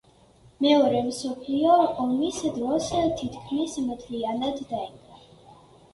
მეორე მსოფლიო ომის დროს თითქმის მთლიანად დაინგრა.